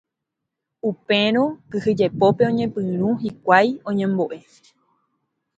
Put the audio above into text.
Upérõ kyhyjepópe oñepyrũ hikuái oñembo'e.